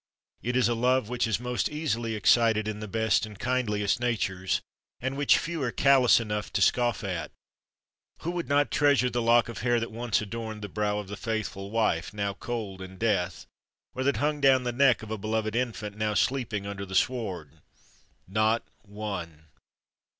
It is a love which is most easily excited in the best and kindliest natures, and which few are callous enough to scoff at. Who would not treasure the lock of hair that once adorned the brow of the faithful wife now cold in death, or that hung down the neck of a beloved infant now sleeping under the sward? Not one!